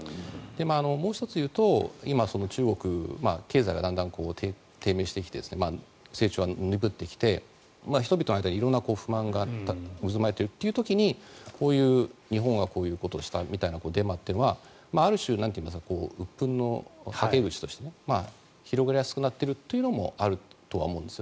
もう１つ言うと今、中国経済がだんだん低迷してきて成長が鈍ってきて人々の間に不安が渦巻いているという時に日本がこうしたみたいなデマはある種、うっ憤のはけ口として広がりやすくなっているというのもあると思うんです。